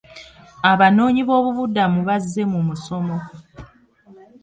Abanoonyiboobubudamu bazze mu musomo.